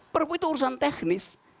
perpu itu urusan teknis